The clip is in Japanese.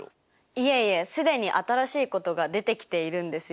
いえいえ既に新しいことが出てきているんですよ。